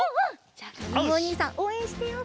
じゃあかずむおにいさんおうえんしてよう